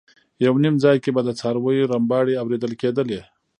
یو نیم ځای کې به د څارویو رمباړې اورېدل کېدې.